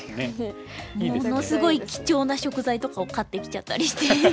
ものすごい貴重な食材とかを買ってきちゃったりして。